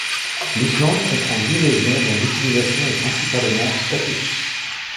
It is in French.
L'Islande comprend huit régions, dont l'utilisation est principalement statistique.